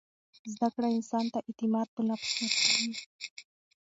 زده کړه انسان ته اعتماد په نفس ورکوي.